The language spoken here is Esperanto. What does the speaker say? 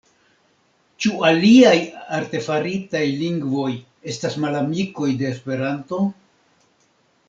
Ĉu aliaj artefaritaj lingvoj estas malamikoj de Esperanto?